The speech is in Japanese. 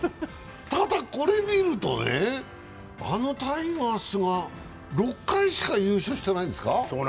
ただ、これ見るとね、あのタイガースが６回しか優勝してないんですか？